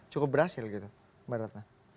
cukup berhasil gitu mbak ratna